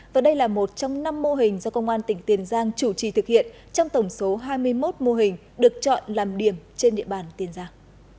và đây là một trong năm mô hình do công an tỉnh tiền giang chủ trì thực hiện trong tổng số hai mươi một mô hình được chọn làm điểm trên địa bàn tiền giang